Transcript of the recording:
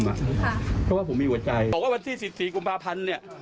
เพราะว่าผมมีหัวใจบอกว่าวันที่๑๔กุมภาพันธ์เนี่ย